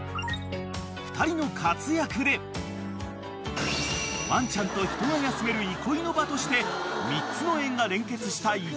［２人の活躍でワンちゃんと人が休める憩いの場として３つの円が連結した池が完成］